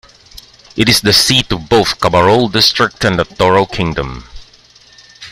It is the seat of both Kabarole District and the Toro Kingdom.